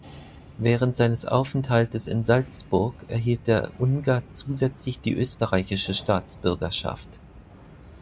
Während seines Aufenthaltes in Salzburg erhielt der Ungar zusätzlich die österreichische Staatsbürgerschaft.